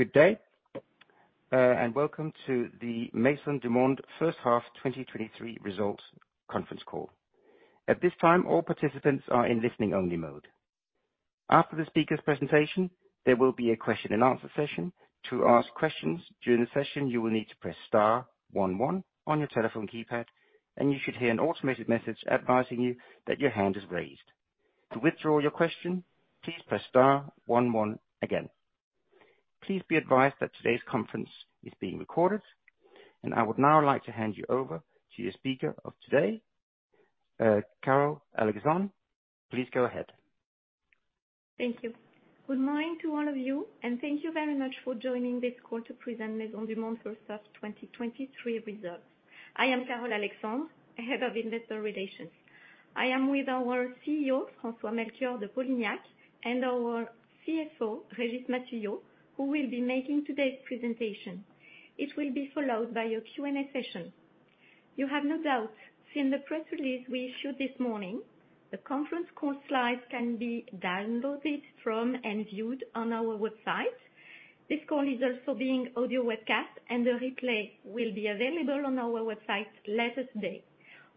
Good day, and welcome to the Maisons du Monde First Half 2023 results conference call. At this time, all participants are in listening only mode. After the speaker's presentation, there will be a question and answer session. To ask questions during the session, you will need to press star one one on your telephone keypad, and you should hear an automated message advising you that your hand is raised. To withdraw your question, please press star one one again. Please be advised that today's conference is being recorded, and I would now like to hand you over to the speaker of today, Carole Alexandre. Please go ahead. Thank you. Good morning to all of you, and thank you very much for joining this call to present Maisons du Monde first half 2023 results. I am Carole Alexandre, Head of Investor Relations. I am with our CEO, François-Melchior de Polignac, and our CFO, Régis Mathieu, who will be making today's presentation. It will be followed by a Q&A session. You have no doubt seen the press release we issued this morning. The conference call slides can be downloaded from and viewed on our website. This call is also being audio webcast, and the replay will be available on our website later today.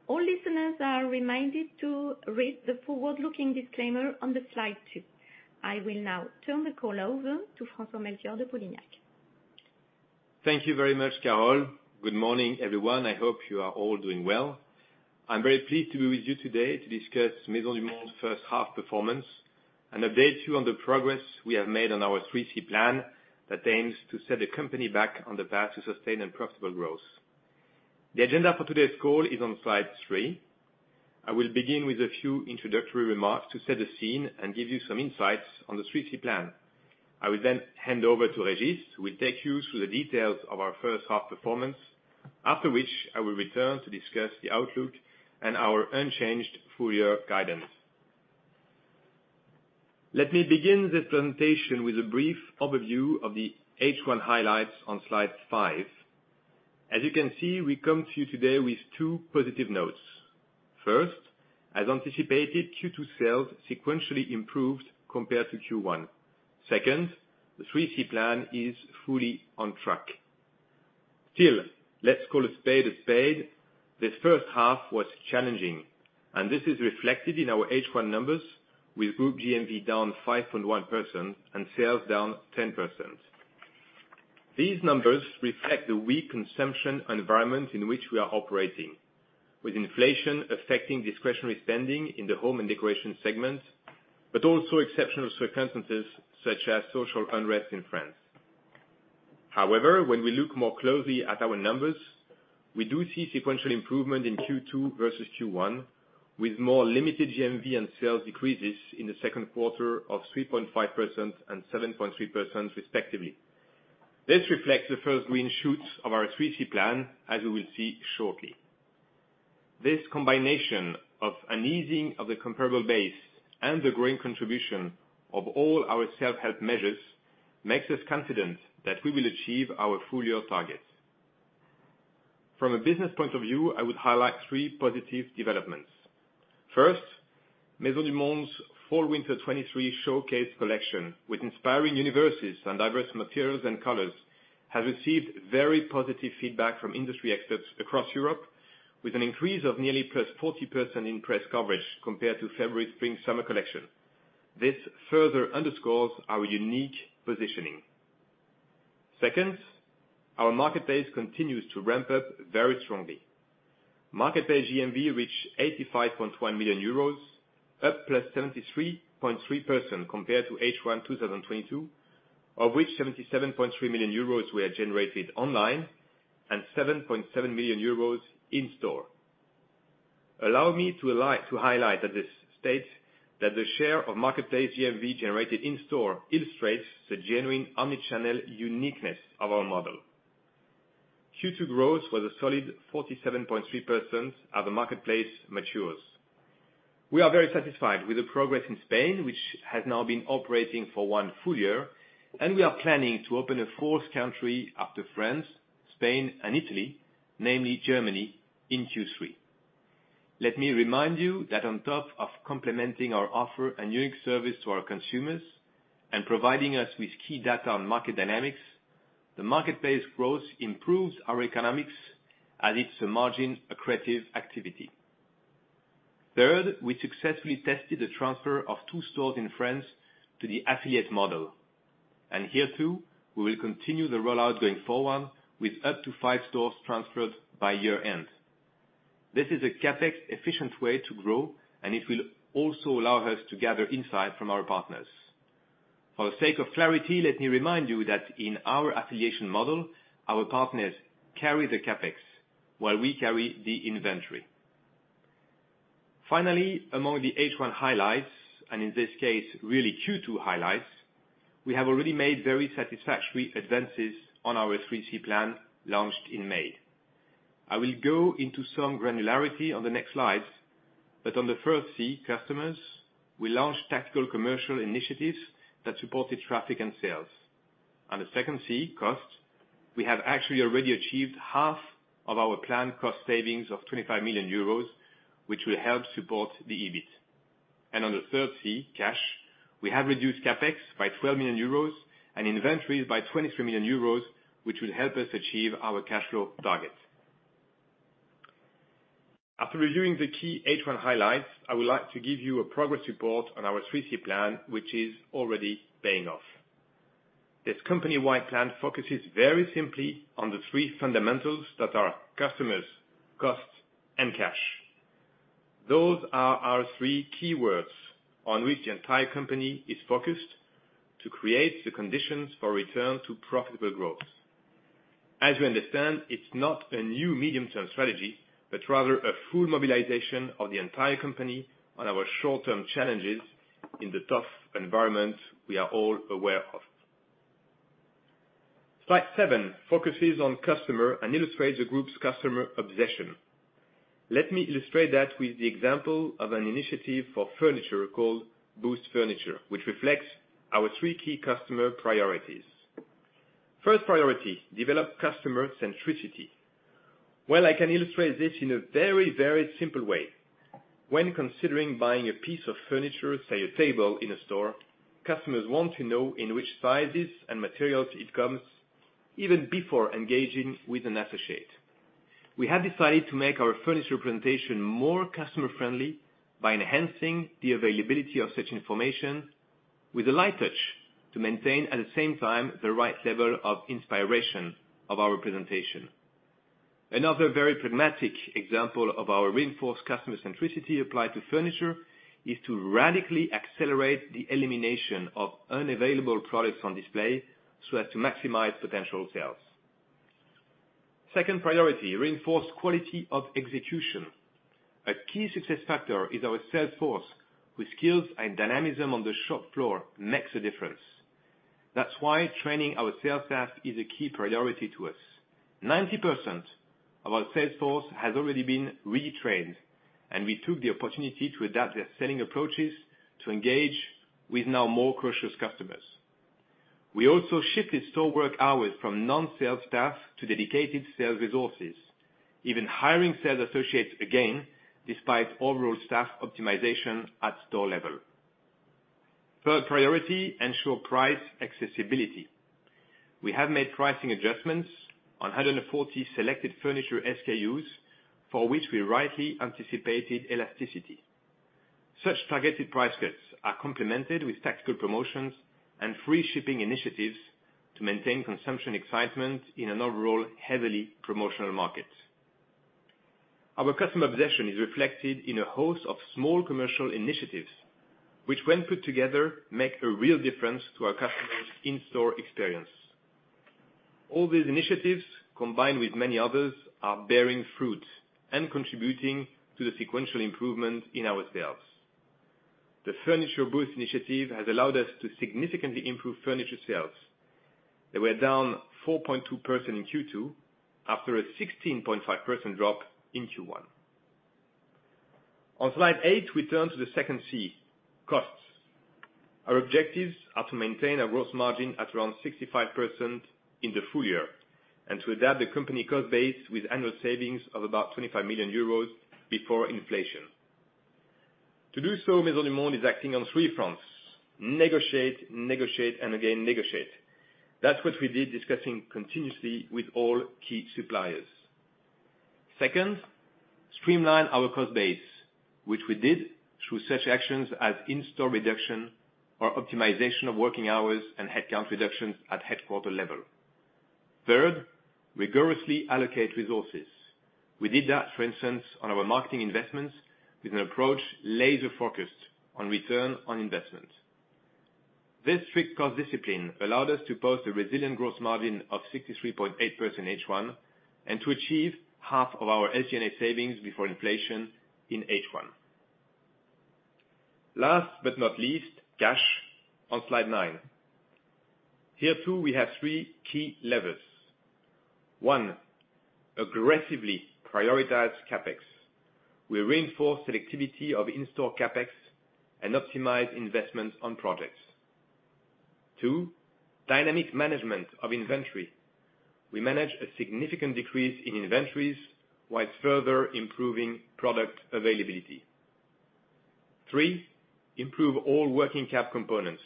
All listeners are reminded to read the forward-looking disclaimer on slide two. I will now turn the call over to François-Melchior de Polignac. Thank you very much, Carole. Good morning, everyone. I hope you are all doing well. I'm very pleased to be with you today to discuss Maisons du Monde's first half performance and update you on the progress we have made on our 3C Plan that aims to set the company back on the path to sustained and profitable growth. The agenda for today's call is on slide three. I will begin with a few introductory remarks to set the scene and give you some insights on the 3C Plan. I will then hand over to Régis, who will take you through the details of our first half performance, after which I will return to discuss the outlook and our unchanged full year guidance. Let me begin this presentation with a brief overview of the H1 highlights on slide five. As you can see, we come to you today with two positive notes. First, as anticipated, Q2 sales sequentially improved compared to Q1. Second, the 3C Plan is fully on track. Still, let's call a spade a spade. This first half was challenging, and this is reflected in our H1 numbers, with group GMV down 5.1% and sales down 10%. These numbers reflect the weak consumption environment in which we are operating, with inflation affecting discretionary spending in the home and decoration segments, but also exceptional circumstances such as social unrest in France. When we look more closely at our numbers, we do see sequential improvement in Q2 versus Q1, with more limited GMV and sales decreases in the second quarter of 3.5% and 7.3% respectively. This reflects the first green shoots of our 3C Plan, as you will see shortly. This combination of an easing of the comparable base and the growing contribution of all our self-help measures makes us confident that we will achieve our full year targets. From a business point of view, I would highlight three positive developments. First, Maisons du Monde's Fall/Winter 2023 showcase collection, with inspiring universes and diverse materials and colors, has received very positive feedback from industry experts across Europe, with an increase of nearly +40% in press coverage compared to February's Spring/Summer collection. This further underscores our unique positioning. Second, our marketplace continues to ramp up very strongly. Marketplace GMV reached 85.1 million euros, up +73.3% compared to H1 2022, of which 77.3 million euros were generated online and 7.7 million euros in store. Allow me to highlight at this state that the share of marketplace GMV generated in-store illustrates the genuine omni-channel uniqueness of our model. Q2 growth was a solid 47.3% as the marketplace matures. We are very satisfied with the progress in Spain, which has now been operating for one full year, and we are planning to open a fourth country after France, Spain and Italy, namely Germany, in Q3. Let me remind you that on top of complementing our offer and unique service to our consumers and providing us with key data on market dynamics, the marketplace growth improves our economics as it's a margin accretive activity. We successfully tested the transfer of two stores in France to the affiliate model, and hereto, we will continue the rollout going forward with up to five stores transferred by year-end. This is a CapEx efficient way to grow, and it will also allow us to gather insight from our partners. For the sake of clarity, let me remind you that in our affiliation model, our partners carry the CapEx while we carry the inventory. Among the H1 highlights, and in this case, really Q2 highlights, we have already made very satisfactory advances on our 3C Plan launched in May. I will go into some granularity on the next slides, but on the first C, customers, we launched tactical commercial initiatives that supported traffic and sales. On the second C, cost, we have actually already achieved half of our planned cost savings of 25 million euros, which will help support the EBIT. On the third C, cash, we have reduced CapEx by 12 million euros and inventories by 23 million euros, which will help us achieve our cash flow target. After reviewing the key H1 highlights, I would like to give you a progress report on our 3C Plan, which is already paying off. This company-wide plan focuses very simply on the three fundamentals that are customers, cost, and cash. Those are our three key words on which the entire company is focused to create the conditions for return to profitable growth. As you understand, it's not a new medium-term strategy, but rather a full mobilization of the entire company on our short-term challenges in the tough environment we are all aware of. Slide seven focuses on customer and illustrates the group's customer obsession. Let me illustrate that with the example of an initiative for furniture called Boost Furniture, which reflects our three key customer priorities. First priority, develop customer centricity. Well, I can illustrate this in a very, very simple way. When considering buying a piece of furniture, say, a table in a store, customers want to know in which sizes and materials it comes, even before engaging with an associate. We have decided to make our furniture presentation more customer-friendly by enhancing the availability of such information with a light touch, to maintain, at the same time, the right level of inspiration of our presentation. Another very pragmatic example of our reinforced customer centricity applied to furniture is to radically accelerate the elimination of unavailable products on display, so as to maximize potential sales. Second priority, reinforce quality of execution. A key success factor is our sales force, whose skills and dynamism on the shop floor makes a difference. That's why training our sales staff is a key priority to us. 90% of our sales force has already been retrained, and we took the opportunity to adapt their selling approaches to engage with now more cautious customers. We also shifted store work hours from non-sales staff to dedicated sales resources, even hiring sales associates again, despite overall staff optimization at store level. Third priority, ensure price accessibility. We have made pricing adjustments on 140 selected furniture SKUs, for which we rightly anticipated elasticity. Such targeted price cuts are complemented with tactical promotions and free shipping initiatives to maintain consumption excitement in an overall heavily promotional market. Our customer obsession is reflected in a host of small commercial initiatives, which, when put together, make a real difference to our customers' in-store experience. All these initiatives, combined with many others, are bearing fruit and contributing to the sequential improvement in our sales. The Boost Furniture initiative has allowed us to significantly improve furniture sales. They were down 4.2% in Q2 after a 16.5% drop in Q1. On slide eight, we turn to the second C, costs. Our objectives are to maintain a growth margin at around 65% in the full year, and to adapt the company cost base with annual savings of about 25 million euros before inflation. To do so, Maisons du Monde is acting on three fronts: negotiate, and again, negotiate. That's what we did, discussing continuously with all key suppliers. Second, streamline our cost base, which we did through such actions as in-store reduction or optimization of working hours and headcount reductions at headquarter level. Third, rigorously allocate resources. We did that, for instance, on our marketing investments, with an approach laser-focused on return on investment. This strict cost discipline allowed us to post a resilient gross margin of 63.8% H1, and to achieve half of our SG&A savings before inflation in H1. Last but not least, cash on slide 9. Here, too, we have three key levers. One, aggressively prioritize CapEx. We reinforce selectivity of in-store CapEx and optimize investment on projects. Two, dynamic management of inventory. We manage a significant decrease in inventories while further improving product availability. Three, improve all working cap components.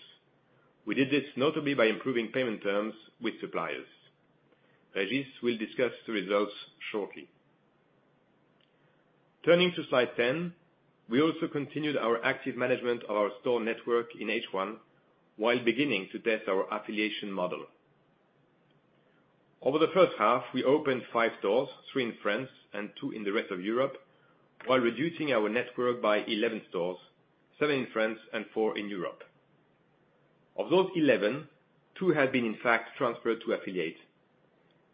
We did this notably by improving payment terms with suppliers. Régis will discuss the results shortly. Turning to slide ten, we also continued our active management of our store network in H1, while beginning to test our affiliation model. Over the first half, we opened five stores, three in France and two in the rest of Europe, while reducing our network by 11 stores, seven in France and four in Europe. Of those 11, two have been, in fact, transferred to affiliates.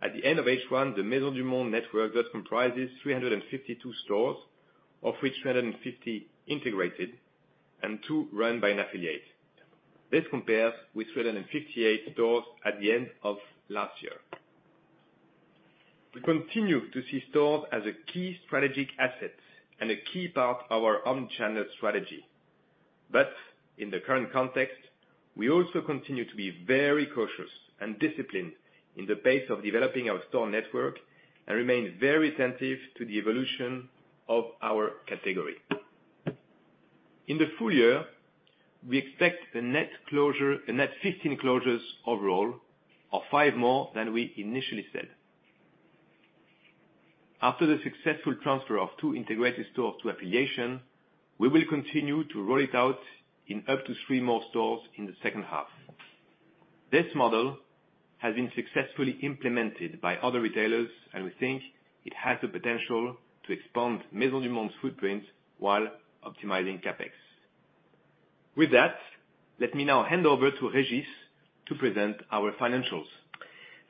At the end of H1, the Maisons du Monde network thus comprises 352 stores, of which 250 integrated and two run by an affiliate. This compares with 358 stores at the end of last year. We continue to see stores as a key strategic asset and a key part of our omni-channel strategy. In the current context-... We also continue to be very cautious and disciplined in the pace of developing our store network and remain very attentive to the evolution of our category. In the full year, we expect the net closure, a net 15 closures overall, or five more than we initially said. After the successful transfer of two integrated stores to affiliation, we will continue to roll it out in up to three more stores in the second half. This model has been successfully implemented by other retailers, and we think it has the potential to expand Maisons du Monde's footprint while optimizing CapEx. With that, let me now hand over to Régis to present our financials.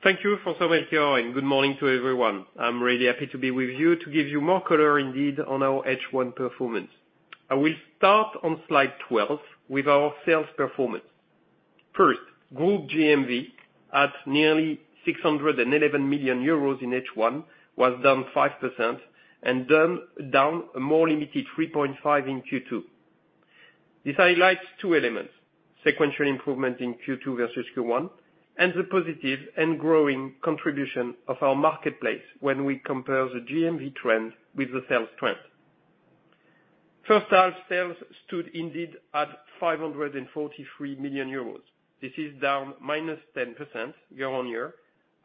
Thank you, François-Melchior. Good morning to everyone. I'm really happy to be with you, to give you more color indeed, on our H1 performance. I will start on slide 12 with our sales performance. First, group GMV, at nearly 611 million euros in H1, was down 5% and down a more limited 3.5% in Q2. This highlights two elements: sequential improvement in Q2 versus Q1, and the positive and growing contribution of our marketplace when we compare the GMV trend with the sales trend. First half sales stood indeed at 543 million euros. This is down -10% year-on-year,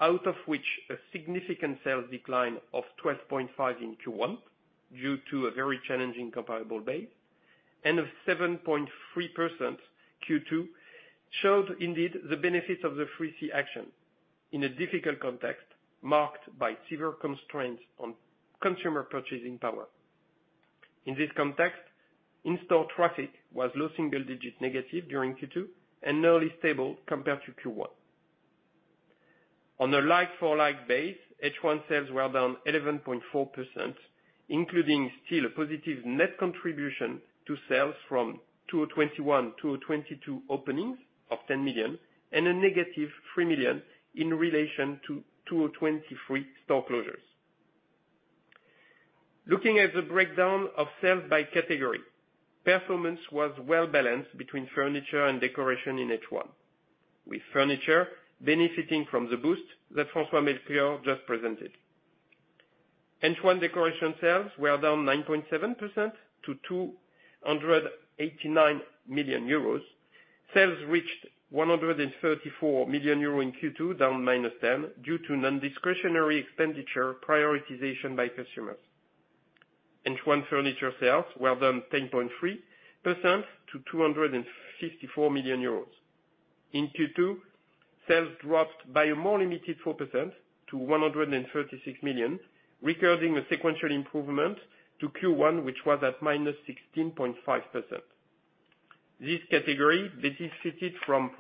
out of which a significant sales decline of 12.5% in Q1, due to a very challenging comparable base, and of 7.3% Q2, showed indeed the benefits of the 3C Plan in a difficult context, marked by severe constraints on consumer purchasing power. In this context, in-store traffic was low single-digit negative during Q2, and nearly stable compared to Q1. On a like-for-like base, H1 sales were down 11.4%, including still a positive net contribution to sales from 2021-2022 openings of 10 million, and a -3 million in relation to 2023 store closures. Looking at the breakdown of sales by category, performance was well balanced between furniture and decoration in H1, with furniture benefiting from the boost that François-Melchior just presented. H1 decoration sales were down 9.7% to 289 million euros. Sales reached 134 million euros in Q2, down -10%, due to non-discretionary expenditure prioritization by consumers. H1 furniture sales were down 10.3% to 254 million euros. In Q2, sales dropped by a more limited 4% to 136 million, recording a sequential improvement to Q1, which was at -16.5%. This category benefited from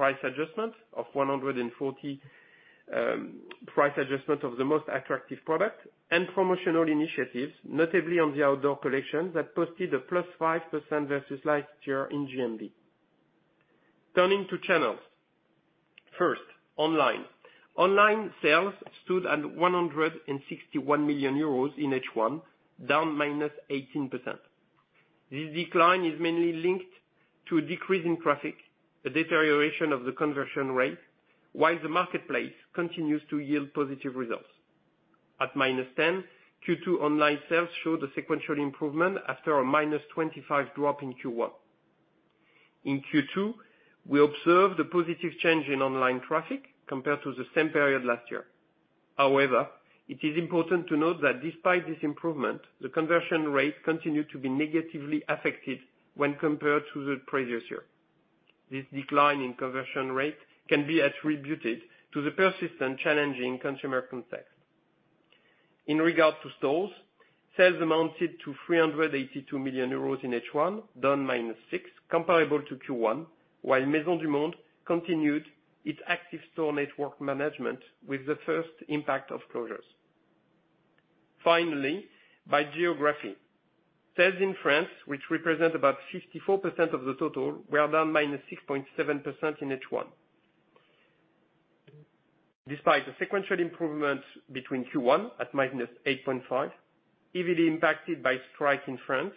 price adjustment of the most attractive product and promotional initiatives, notably on the outdoor collection, that posted a +5% versus last year in GMV. Turning to channels. First, online. Online sales stood at 161 million euros in H1, down -18%. This decline is mainly linked to a decrease in traffic, a deterioration of the conversion rate, while the marketplace continues to yield positive results. At -10, Q2 online sales showed a sequential improvement after a -25 drop in Q1. In Q2, we observed a positive change in online traffic compared to the same period last year. However, it is important to note that despite this improvement, the conversion rate continued to be negatively affected when compared to the previous year. This decline in conversion rate can be attributed to the persistent challenging consumer context. In regard to stores, sales amounted to 382 million euros in H1, down -6, comparable to Q1, while Maisons du Monde continued its active store network management with the first impact of closures. By geography. Sales in France, which represent about 54% of the total, were down -6.7% in H1. Despite the sequential improvement between Q1 at -8.5%, heavily impacted by strike in France,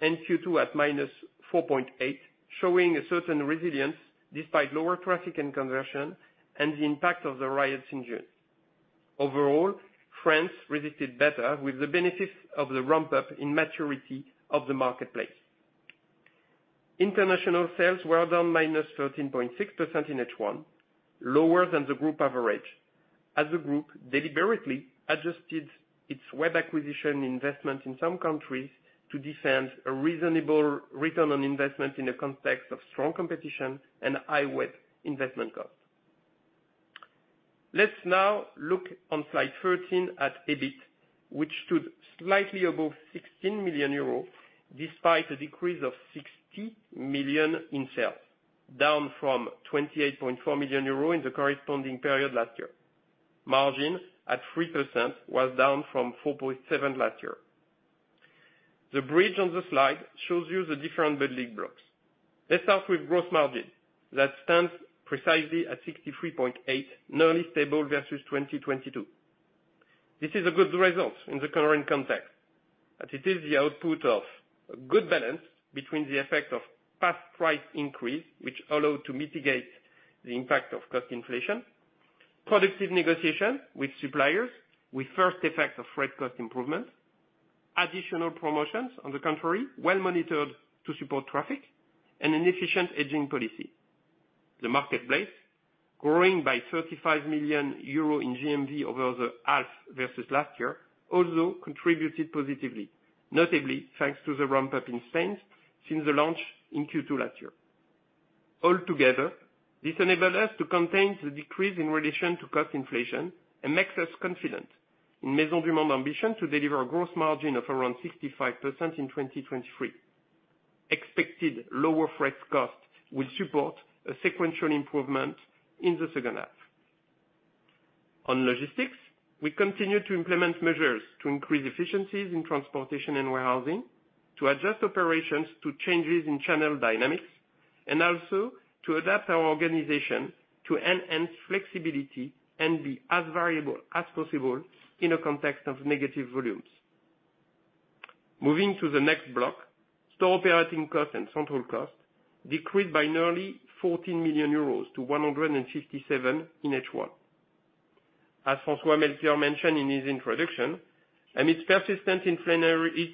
and Q2 at -4.8%, showing a certain resilience despite lower traffic and conversion and the impact of the riots in June. Overall, France resisted better with the benefit of the ramp up in maturity of the marketplace. International sales were down -13.6% in H1, lower than the group average, as the group deliberately adjusted its web acquisition investment in some countries to defend a reasonable return on investment in the context of strong competition and high web investment costs. Let's now look on slide 13 at EBIT, which stood slightly above 16 million euros, despite a decrease of 60 million in sales, down from 28.4 million euros in the corresponding period last year. Margin at 3% was down from 4.7% last year. The bridge on the slide shows you the different building blocks. Let's start with gross margin. That stands precisely at 63.8%, nearly stable versus 2022. This is a good result in the current context, and it is the output of a good balance between the effect of past price increase, which allowed to mitigate the impact of cost inflation, productive negotiation with suppliers, with first effect of freight cost improvements, additional promotions on the contrary, well monitored to support traffic, and an efficient aging policy. The marketplace, growing by 35 million euro in GMV over the half versus last year, also contributed positively, notably thanks to the ramp-up in sales since the launch in Q2 last year. Altogether, this enabled us to contain the decrease in relation to cost inflation and makes us confident in Maisons du Monde's ambition to deliver a growth margin of around 65% in 2023. Expected lower freight costs will support a sequential improvement in the second half. On logistics, we continue to implement measures to increase efficiencies in transportation and warehousing, to adjust operations to changes in channel dynamics, and also to adapt our organization to enhance flexibility and be as variable as possible in a context of negative volumes. Moving to the next block, store operating costs and central costs decreased by nearly 14 million-157 million euros in H1. As François-Melchior mentioned in his introduction, amidst persistent inflationary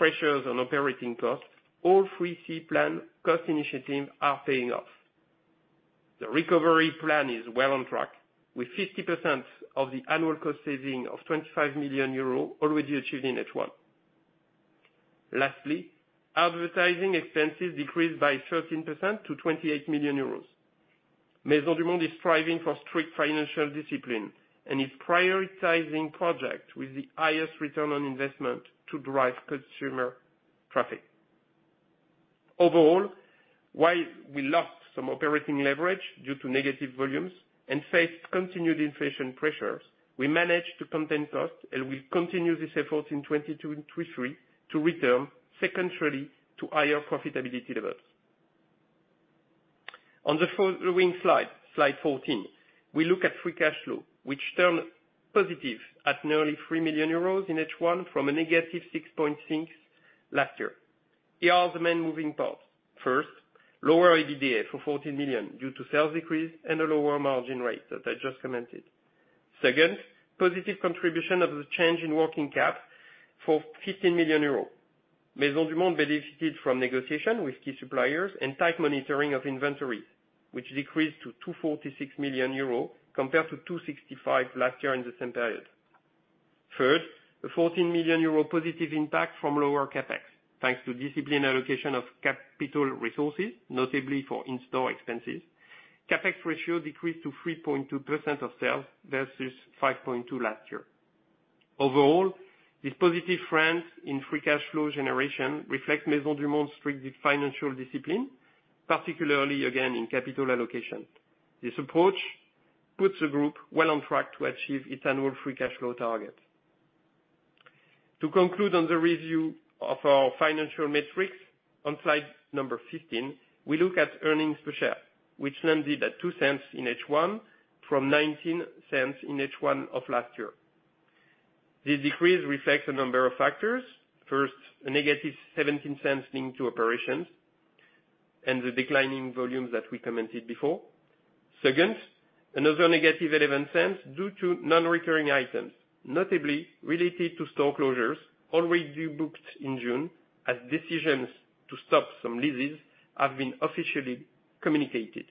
pressures on operating costs, all 3C Plan cost initiatives are paying off. The recovery plan is well on track, with 50% of the annual cost saving of 25 million euros already achieved in H1. Advertising expenses decreased by 13% to 28 million euros. Maisons du Monde is striving for strict financial discipline and is prioritizing projects with the highest ROI to drive consumer traffic. While we lost some operating leverage due to negative volumes and faced continued inflation pressures, we managed to contain costs and will continue this effort in 2023 to return sequentially to higher profitability levels. On the following slide 14, we look at free cash flow, which turned positive at nearly 3 million euros in H1 from a -6.6 million last year. Here are the main moving parts. First, lower EBITDA for 14 million due to sales decrease and a lower margin rate that I just commented. Second, positive contribution of the change in working cap for 15 million euros. Maisons du Monde benefited from negotiation with key suppliers and tight monitoring of inventory, which decreased to 246 million euros, compared to 265 last year in the same period. Third, a 14 million euro positive impact from lower CapEx, thanks to disciplined allocation of capital resources, notably for in-store expenses. CapEx ratio decreased to 3.2% of sales versus 5.2% last year. Overall, this positive trend in free cash flow generation reflects Maisons du Monde's strict financial discipline, particularly again in capital allocation. This approach puts the group well on track to achieve its annual free cash flow target. To conclude on the review of our financial metrics, on slide 15, we look at earnings per share, which landed at 0.02 in H1 from 0.19 in H1 of last year. This decrease reflects a number of factors. First, a negative 0.17 linked to operations and the declining volumes that we commented before. Second, another negative 0.11 due to non-recurring items, notably related to store closures already booked in June, as decisions to stop some leases have been officially communicated.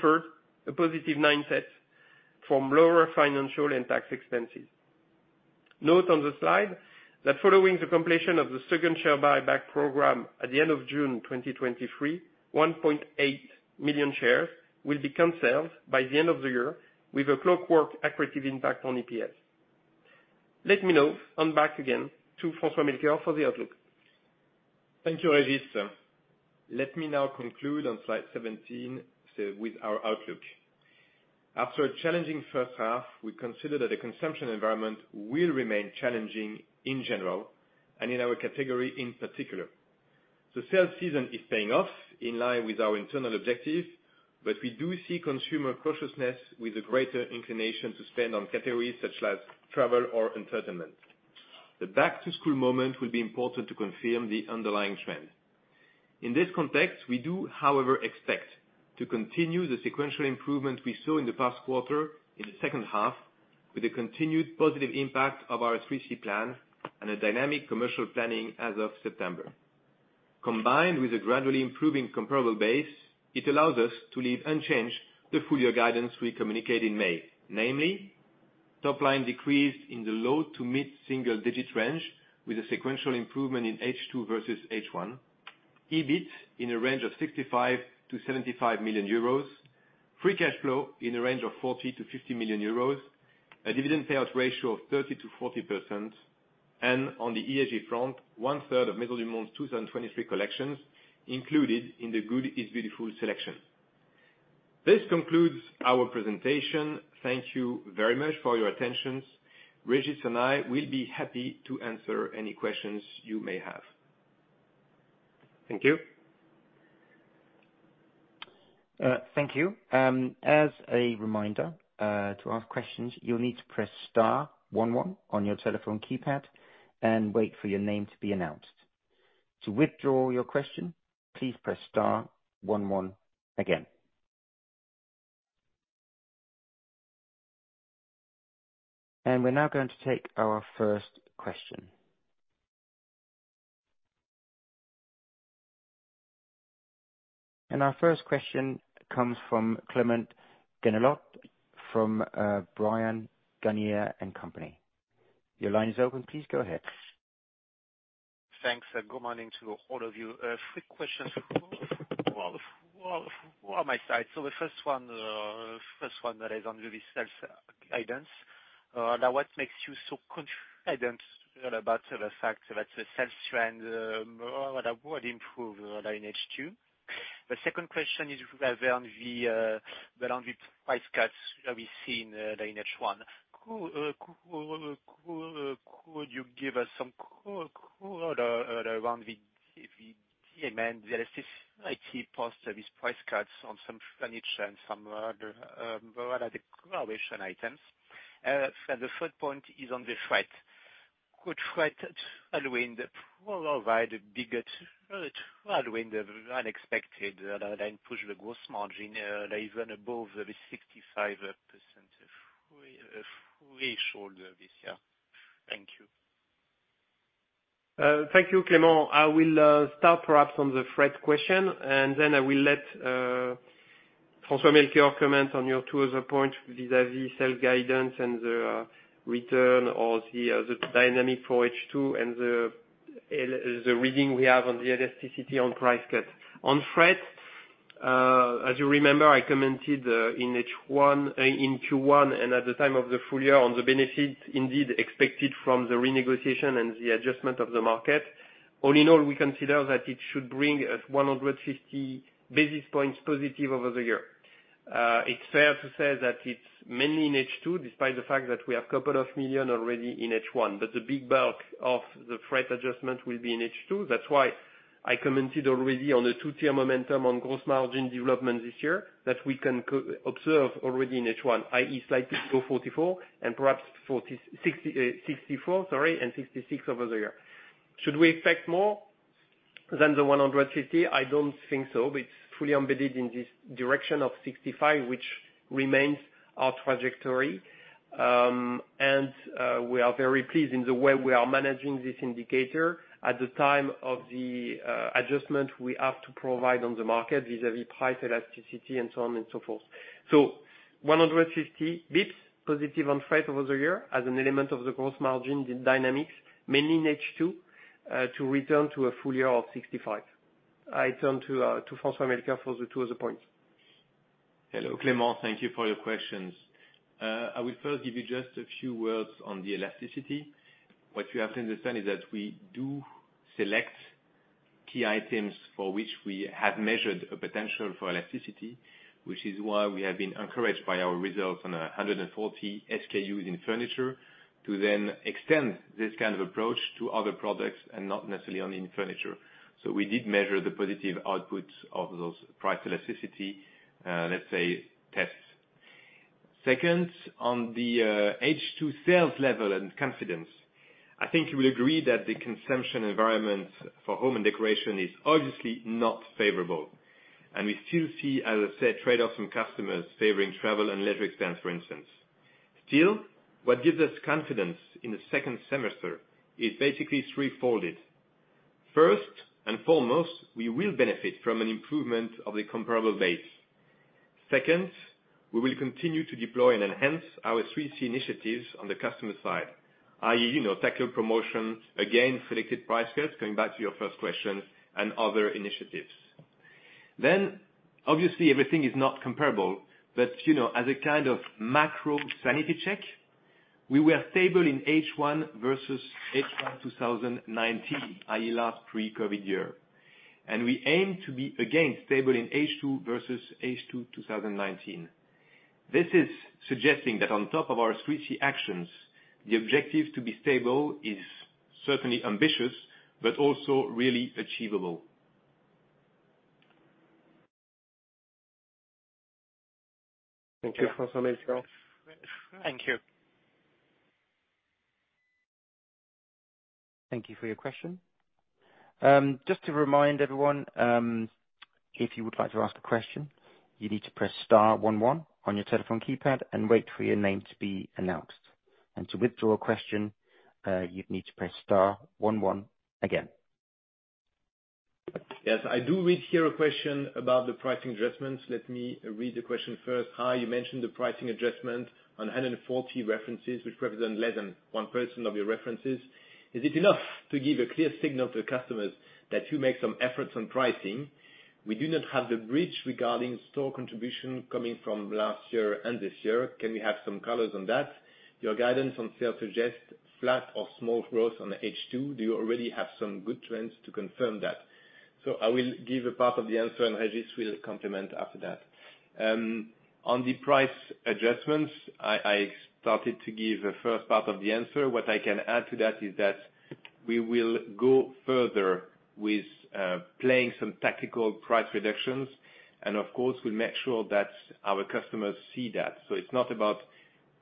Third, a positive mindset from lower financial and tax expenses. Note on the slide that following the completion of the second share buyback program at the end of June 2023, 1.8 million shares will be canceled by the end of the year with a clockwork accretive impact on EPS. Let me now hand back again to François-Melchior for the outlook. Thank you, Régis. Let me now conclude on slide 17 with our outlook. After a challenging first half, we consider that the consumption environment will remain challenging in general, and in our category in particular. The sales season is paying off in line with our internal objective, we do see consumer cautiousness with a greater inclination to spend on categories such as travel or entertainment. The back-to-school moment will be important to confirm the underlying trend. In this context, we do, however, expect to continue the sequential improvement we saw in the past quarter, in the second half, with a continued positive impact of our 3C Plan and a dynamic commercial planning as of September. Combined with a gradually improving comparable base, it allows us to leave unchanged the full year guidance we communicate in May. Namely, top line decreased in the low to mid-single digit range with a sequential improvement in H2 versus H1, EBIT in a range of 65 million-75 million euros, free cash flow in a range of 40 million-50 million euros, a dividend payout ratio of 30%-40%, and on the ESG front, one-third of Maisons du Monde's 2023 collections included in the Good is beautiful selection. This concludes our presentation. Thank you very much for your attentions. Régis and I will be happy to answer any questions you may have. Thank you.... thank you. As a reminder, to ask questions, you'll need to press star one one on your telephone keypad and wait for your name to be announced. To withdraw your question, please press star one one again. We're now going to take our first question. Our first question comes from Clément Genelot from, Bryan, Garnier & Co. Your line is open, please go ahead. Thanks, and good morning to all of you. three questions, well on my side. The first one that is on the sales guidance. Now, what makes you so confident about the fact that the sales trend would improve in H2? The second question is rather on the price cuts that we see in H1. Could you give us some color around the demand elasticity post these price cuts on some furniture and some other decoration items? The third point is on the freight. Could freight tailwind provide a bigger, tailwind than unexpected and push the gross margin even above the 65% free threshold this year? Thank you. Thank you, Clément Genelot. I will start perhaps on the freight question, and then I will let François-Melchior de Polignac comment on your two other points vis-à-vis sales guidance and the return or the dynamic for H2 and the reading we have on the elasticity on price cuts. On freight, as you remember, I commented in H1, in Q1, and at the time of the full year on the benefits indeed expected from the renegotiation and the adjustment of the market. All in all, we consider that it should bring us 150 basis points positive over the year. It's fair to say that it's mainly in H2, despite the fact that we have EUR couple of million already in H1, but the big bulk of the freight adjustment will be in H2. That's why I commented already on the two-tier momentum on gross margin development this year, that we can co-observe already in H1, i.e., slightly to 44% and perhaps 64%, sorry, and 66% over the year. Should we expect more than the 150? I don't think so. It's fully embedded in this direction of 65%, which remains our trajectory. We are very pleased in the way we are managing this indicator at the time of the adjustment we have to provide on the market vis-à-vis price elasticity and so on and so forth. 150 basis points positive on freight over the year as an element of the gross margin, the dynamics, mainly in H2, to return to a full year of 65%. I turn to François-Melchior for the two other points. Hello, Clément, thank you for your questions. I will first give you just a few words on the elasticity. What you have to understand is that we do select key items for which we have measured a potential for elasticity, which is why we have been encouraged by our results on 140 SKUs in furniture, to then extend this kind of approach to other products and not necessarily only in furniture. We did measure the positive outputs of those price elasticity, let's say, tests. Second, on the H2 sales level and confidence, I think you will agree that the consumption environment for home and decoration is obviously not favorable, and we still see, as I said, trade-offs from customers favoring travel and leisure expense, for instance. What gives us confidence in the second semester is basically threefolded. First and foremost, we will benefit from an improvement of the comparable base. Second, we will continue to deploy and enhance our 3C initiatives on the customer side, i.e., you know, tackle promotion, again, selected price cuts, going back to your first question and other initiatives. Obviously, everything is not comparable, but, you know, as a kind of macro sanity check, we were stable in H1 versus H1 2019, i.e., last pre-COVID year, and we aim to be again stable in H2 versus H2 2019. This is suggesting that on top of our 3C actions, the objective to be stable is certainly ambitious, but also really achievable. Thank you, François-Melchior. Thank you. Thank you for your question. Just to remind everyone, if you would like to ask a question, you need to press star one one on your telephone keypad and wait for your name to be announced. To withdraw a question, you'd need to press star one one again. Yes, I do read here a question about the pricing adjustments. Let me read the question first. "Hi, you mentioned the pricing adjustment on 140 references, which represent less than 1% of your references. Is it enough to give a clear signal to the customers that you make some efforts on pricing? We do not have the bridge regarding store contribution coming from last year and this year. Can we have some colors on that? Your guidance on sales suggest flat or small growth on H2. Do you already have some good trends to confirm that?" I will give a part of the answer, and Régis will complement after that. On the price adjustments, I started to give the first part of the answer. What I can add to that is that we will go further with playing some tactical price reductions, and of course, we'll make sure that our customers see that. It's not about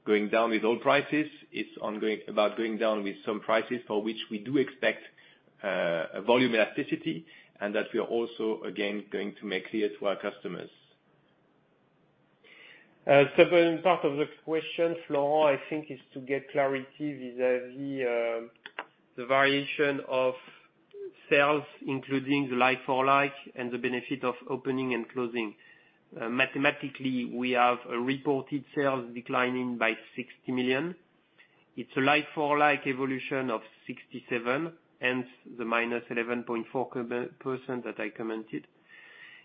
going down with all prices, it's about going down with some prices for which we do expect a volume elasticity, and that we are also, again, going to make clear to our customers. second part of the question, Florent, I think, is to get clarity vis-à-vis, the variation of sales, including the like-for-like, and the benefit of opening and closing. Mathematically, we have a reported sales declining by 60 million. It's a like-for-like evolution of 67 million, hence the -11.4% that I commented.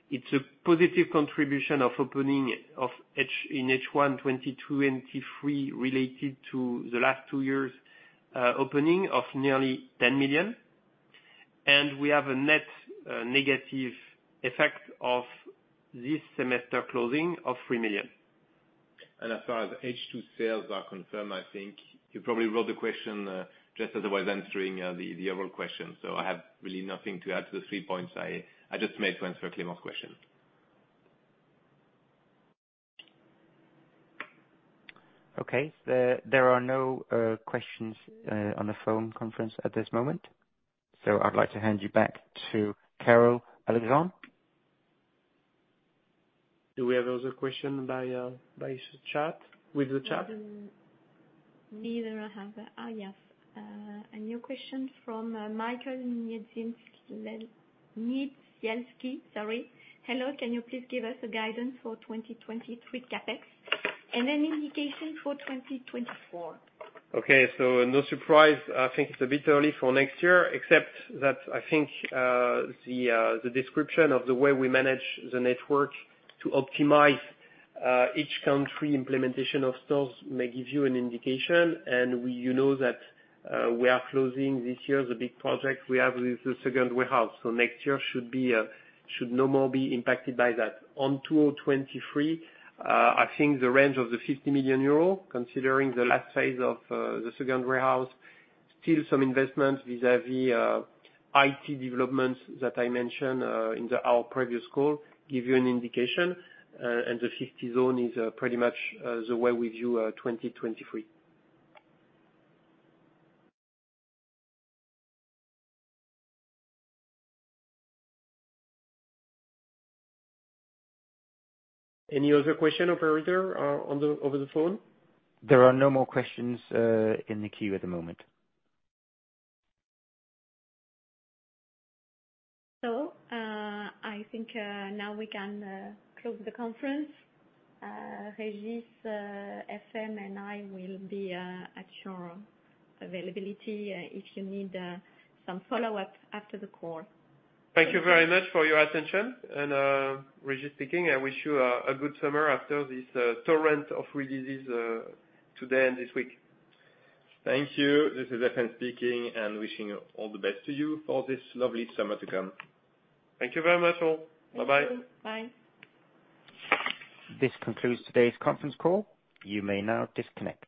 It's a positive contribution of opening in H1 2022 and Q3, related to the last two years, opening of nearly 10 million, and we have a net, negative effect of this semester closing of 3 million. As far as H2 sales are confirmed, I think you probably wrote the question, just as I was answering the overall question. I have really nothing to add to the three points I just made to answer Clément's question. Okay. There are no questions on the phone conference at this moment. I'd like to hand you back to Carole Alexandre. Do we have other question by chat, with the chat? Neither I have... yes, a new question from Michael Niedzielski. Sorry. Hello, can you please give us a guidance for 2023 CapEx, and an indication for 2024? No surprise, I think it's a bit early for next year, except that I think the description of the way we manage the network to optimize each country implementation of stores may give you an indication. We, you know that we are closing this year, the big project we have with the second warehouse. Next year should be should no more be impacted by that. On 2023, I think the range of the 50 million euro, considering the last phase of the second warehouse, still some investments vis-à-vis IT developments that I mentioned in our previous call, give you an indication, and the 50 zone is pretty much the way we view 2023. Any other question or further over the phone? There are no more questions, in the queue at the moment. I think now we can close the conference. Régis, FM, and I will be at your availability if you need some follow-up after the call. Thank you very much for your attention, and Régis speaking. I wish you a good summer after this torrent of releases today and this week. Thank you. This is FM speaking, and wishing all the best to you for this lovely summer to come. Thank you very much, all. Bye-bye. Thank you. Bye. This concludes today's conference call. You may now disconnect.